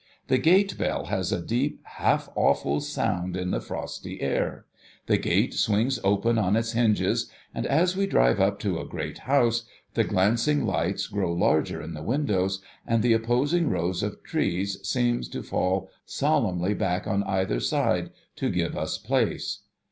The gate bell has a deep, half awful sound in the frosty air ; the gate swings open on its hinges ; and, as we drive up to a great house, the glancing lights grow larger in the windows, and the opposing rows of trees seem to fall solemnly back on either side, to give us place.